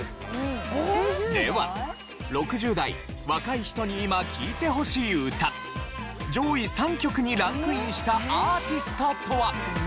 では６０代若い人に今聴いてほしい歌上位３曲にランクインしたアーティストとは？